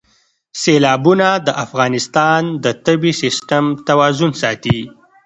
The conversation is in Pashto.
سیلابونه د افغانستان د طبعي سیسټم توازن ساتي.